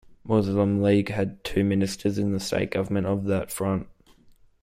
Muslim League had two ministers in the state government of that front.